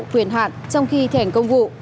tuyển hạn trong khi thẻn công vụ